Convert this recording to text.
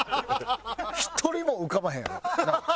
１人も浮かばへんやろ？なあ？